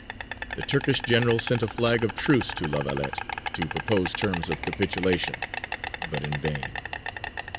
The Turkish general sent a flag of truce to La Valette, to propose terms of capitulation, but in vain.